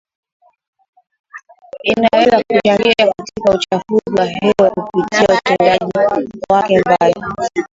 inaweza kuchangia katika uchafuzi wa hewa kupitia utendaji wake mbali